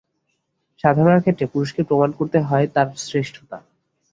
সাধনার ক্ষেত্রে পুরুষকে প্রমাণ করতে হয় তার শ্রেষ্ঠতা।